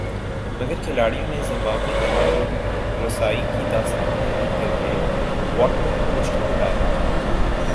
مگر کھلاڑیوں نے زمبابوے کے ہاتھوں رسائی کی داستان تحریر کر کے واٹمور کو مشکل میں ڈال دیا ہے